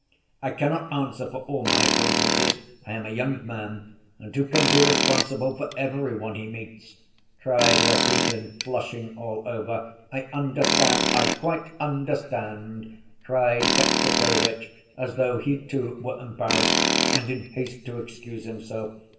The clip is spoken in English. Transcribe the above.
"I cannot answer for all my acquaintances.... I am a young man ... and who can be responsible for every one he meets?" cried Rakitin, flushing all over. "I understand, I quite understand," cried Fetyukovitch, as though he, too, were embarrassed and in haste to excuse himself.